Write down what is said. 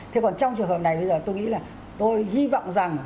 thế còn trong trường hợp này bây giờ tôi nghĩ là tôi hy vọng rằng